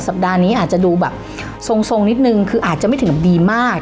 สัปดาห์นี้อาจจะดูแบบทรงนิดนึงคืออาจจะไม่ถึงดีมาก